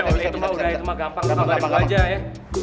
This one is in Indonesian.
udah hitung mah gampang gampang gampang aja ya